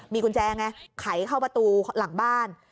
มีกุญแจไงไขเข้าประตูหลังบ้าน